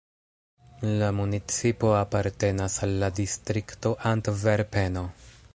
La municipo apartenas al la distrikto "Antverpeno".